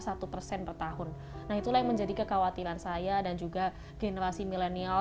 satu persen per tahun nah itulah yang menjadi kekhawatiran saya dan juga generasi milenial